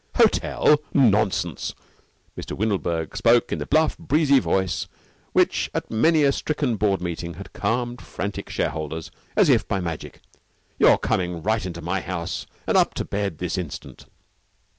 "Hotel? Nonsense." Mr. Windlebird spoke in the bluff, breezy voice which at many a stricken board meeting had calmed frantic shareholders as if by magic. "You're coming right into my house and up to bed this instant."